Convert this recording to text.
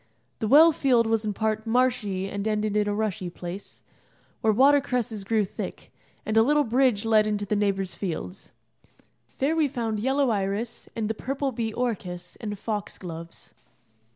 The well field was in part marshy and ended in a rushy place, where water cresses grew thick, and a little bridge led into the neighbour's fields. There we found yellow iris, and the purple bee orchis, and fox gloves.